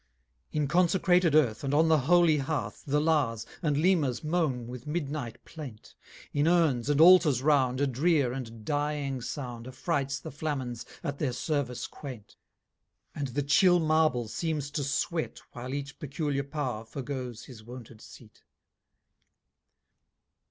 XXI In consecrated Earth, And on the holy Hearth, 190 The Lars, and Lemures moan with midnight plaint, In Urns, and Altars round, A drear, and dying sound Affrights the Flamins at their service quaint; And the chill Marble seems to sweat, While each peculiar power forgoes his wonted seat.